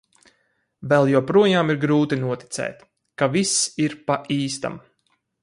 Vēl joprojām ir grūti noticēt, ka viss ir pa īstam.